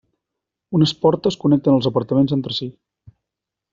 Unes portes connecten els apartaments entre si.